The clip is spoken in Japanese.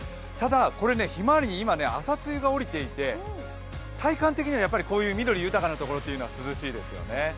ひまわりに今、朝露が降りていて体感的にはこういう緑豊かなところは涼しいですよね。